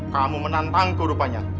kamu menantangku rupanya